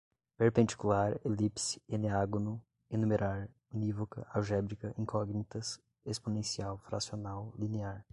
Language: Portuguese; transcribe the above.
perpendicular, elipse, eneágono, enumerar, unívoca, algébrica, incógnitas, exponencial, fracional, linear